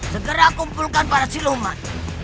segera kumpulkan para siluman